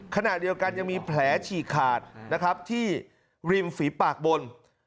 ขนาดเดียวกันยังมีแผลฉีกขาดที่ริมฝีปากบน